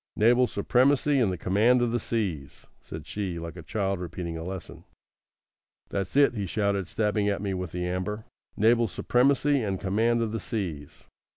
"Naval supremacy and the command of the seas," said she, like a child repeating a lesson. "That's it," he shouted, stabbing at me with the amber. "Naval supremacy and command of the seas.